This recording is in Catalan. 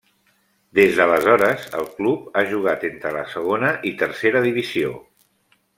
Des d'aleshores el club ha jugat entre la segona i tercera divisió.